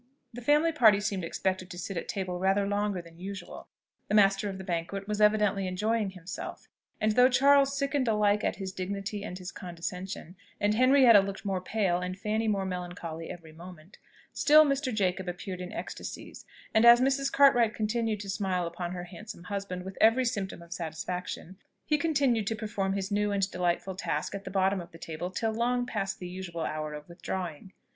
The family party seemed expected to sit at table rather longer than usual. The master of the banquet was evidently enjoying himself; and though Charles sickened alike at his dignity and his condescension, and Henrietta looked more pale and Fanny more melancholy every moment, still Mr. Jacob appeared in ecstacies; and as Mrs. Cartwright continued to smile upon her handsome husband with every symptom of satisfaction, he continued to perform his new and delightful task at the bottom of the table till long past the usual hour of withdrawing.